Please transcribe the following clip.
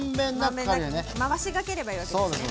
回しがければいいわけですね。